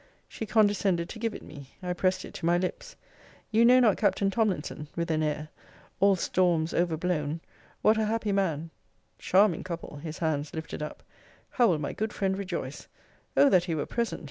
She condescended to give it me. I pressed it to my lips: You know not Captain Tomlinson, (with an air,) all storms overblown, what a happy man Charming couple! [his hands lifted up,] how will my good friend rejoice! O that he were present!